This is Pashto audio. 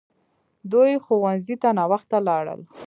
دوی ښوونځي ته ناوخته لاړل!